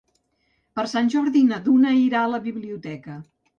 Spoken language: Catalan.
Per Sant Jordi na Duna irà a la biblioteca.